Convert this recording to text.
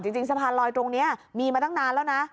จริงสะพานลอยตรงนี้มีมาตั้งนานแล้วนะ